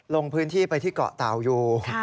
ลงพื้นที่ไปที่เกาะเต่าอยู่